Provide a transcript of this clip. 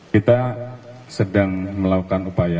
kita sedang melakukan upaya